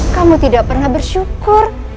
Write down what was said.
kamu tidak pernah bersyukur